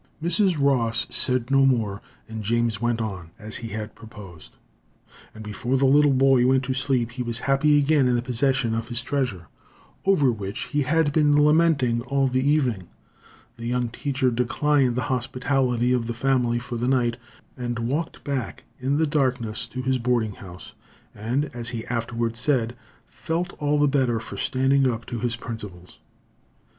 Mrs. Ross said no more, and James went on, as he had proposed; and before the little boy went to sleep, he was happy again in the possession of his treasure, over which he had been lamenting all the evening. The young teacher declined the hospitality of the family for the night, and walked back in the darkness to his boarding house, and, as he afterward said, felt all the better for standing up to his principles.